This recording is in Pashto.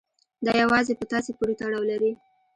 دا يوازې په تاسې پورې تړاو لري.